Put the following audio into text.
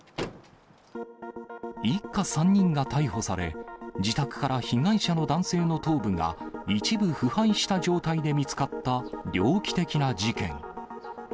一家３人が逮捕され、自宅から被害者の男性の頭部が一部腐敗した状態で見つかった猟奇的な事件。